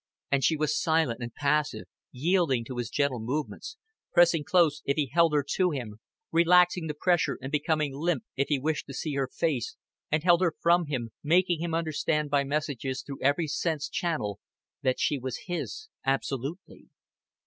And she was silent and passive, yielding to his gentle movements, pressing close if he held her to him, relaxing the pressure and becoming limp if he wished to see her face and held her from him, making him understand by messages through every sense channel that she was his absolutely.